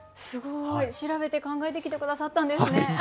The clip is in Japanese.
すごい。調べて考えてきて下さったんですね。